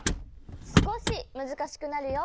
すこしむずかしくなるよ！